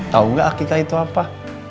tau gak akika itu apa